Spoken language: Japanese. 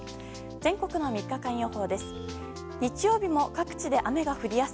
全国の３日間予報です。